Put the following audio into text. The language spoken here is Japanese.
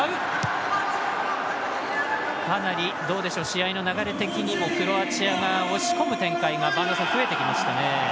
試合の流れ的にもクロアチアが押し込む展開が播戸さん、増えてきましたね。